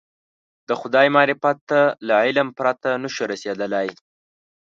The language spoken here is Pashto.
د خدای معرفت ته له علم پرته نه شو رسېدلی.